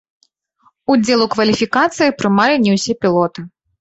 Удзел у кваліфікацыі прымалі не ўсе пілоты.